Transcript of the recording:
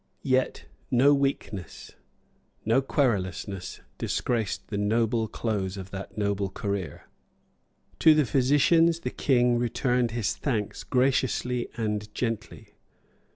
Yet no weakness, no querulousness, disgraced the noble close of that noble career. To the physicians the King returned his thanks graciously and gently.